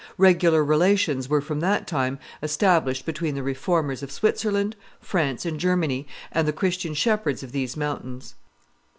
Regular relations were from that time established between the Reformers of Switzerland, France, and Germany, and the Christian shepherds of these mountains.